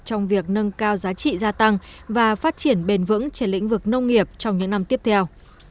trong việc nâng cao giá trị gia tăng và phát triển bền vững trên lĩnh vực nông nghiệp trong những năm tiếp theo